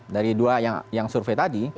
dari dua yang survei tadi